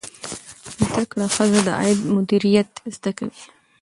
زده کړه ښځه د عاید مدیریت زده کوي.